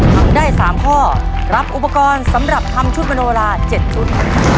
ทำได้๓ข้อรับอุปกรณ์สำหรับทำชุดมโนรา๗ชุด